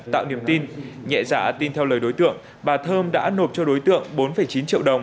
tạo niềm tin nhẹ dạ tin theo lời đối tượng bà thơm đã nộp cho đối tượng bốn chín triệu đồng